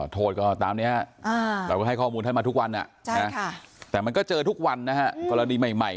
โทษก็ตามนี้เราก็ให้ข้อมูลท่านมาทุกวันแต่มันก็เจอทุกวันนะฮะกรณีใหม่